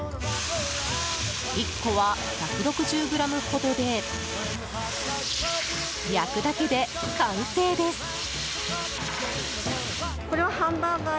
１個は１６０ｇほどで焼くだけで完成です。